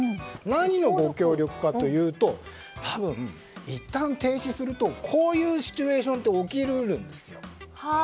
何のご協力かというと多分、いったん停止するとこういうシチュエーションって起き得るんですよ。